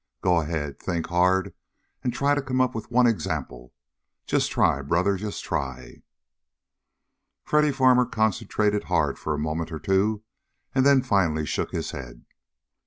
Go ahead. Think hard, and try and come up with one example. Just try, brother; just try!" Freddy Farmer concentrated hard for a moment or two, and then finally shook his head.